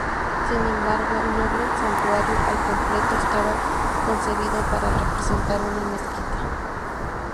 Sin embargo, el Noble Santuario al completo estaba concebido para representar una mezquita.